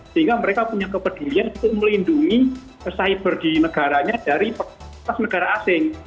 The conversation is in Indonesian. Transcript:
sehingga mereka punya kepedulian untuk melindungi cyber di negaranya dari negara asing